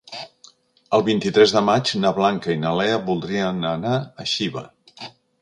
El vint-i-tres de maig na Blanca i na Lea voldrien anar a Xiva.